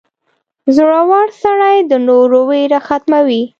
• زړور سړی د نورو ویره ختموي.